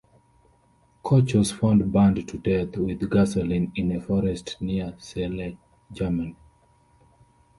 Koch was found burned to death with gasoline in a forest near Celle, Germany.